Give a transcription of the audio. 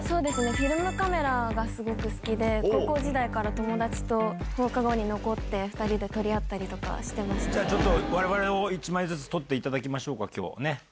フィルムカメラがすごく好きで、高校時代から友達と放課後に残って、２人で撮りじゃあちょっと、われわれを１枚ずつ撮っていただきましょうか、きょうは、ね。